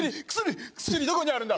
どこにあるんだ？